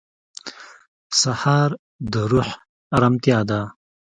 سهار د روح ارامتیا ده.